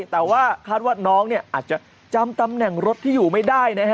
แต่ว่าคาดว่าน้องเนี่ยอาจจะจำตำแหน่งรถที่อยู่ไม่ได้นะฮะ